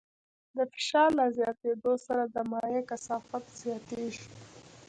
د فشار له زیاتېدو سره د مایع کثافت زیاتېږي.